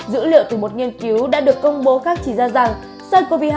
dữ liệu từ một nghiên cứu đã được công bố khác chỉ ra rằng sars cov hai